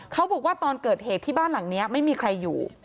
เขาบอกว่าตอนเกิดเหตุที่บ้านหลังนี้ไม่มีใครอยู่